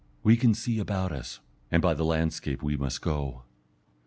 We can see about us, and by the landscape we must go.